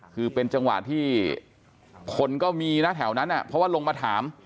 คือเป็นจังหวะที่คนก็มีนะแถวนั้นเพราะว่าลงมาถาม